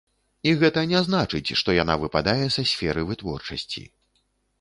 І гэта не значыць, што яна выпадае са сферы вытворчасці.